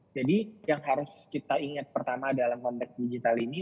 jadi yang harus kita ingat pertama dalam konteks digital ini